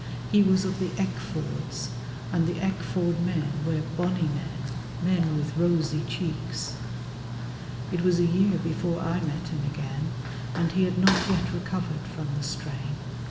He was of the Eckfords, and the Eckford men were "bonnie men", men with rosy cheeks. It was a year before I met him again, and he had not yet recovered from the strain.